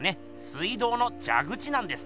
水道のじゃ口なんです。